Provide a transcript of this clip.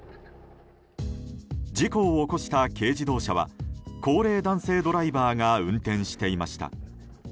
事故を起こした軽自動車は高齢男性ドライバーが運転していました。